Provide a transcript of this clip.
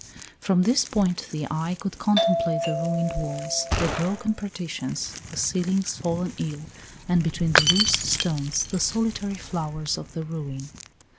From this point the eye could contemplate the ruined walls, the broken partitions, the ceilings fallen in, and between the loose stones the solitary flowers of the ruin.